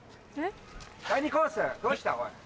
第２コースどうしたおい。